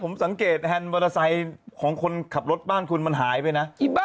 ผมสังเกตแฮนด์มอเตอร์ไซค์ของคนขับรถบ้านคุณมันหายไปนะ